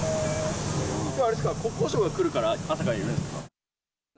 きょうはあれですか、国交省が来るから、朝からいるんですか。